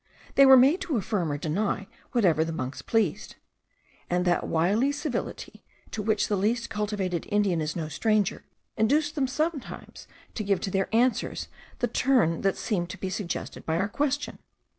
They were made to affirm or deny whatever the monks pleased: and that wily civility, to which the least cultivated Indian is no stranger, induced them sometimes to give to their answers the turn that seemed to be suggested by our questions.